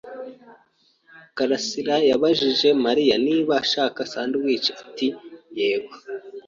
Karasirayabajije Mariya niba ashaka sandwich ati yego.